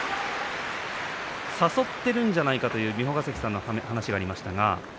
誘ってるんじゃないかという三保ヶ関さんの話がありました。